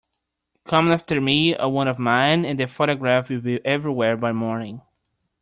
Come after me or one of mine, and that photograph will be everywhere by morning.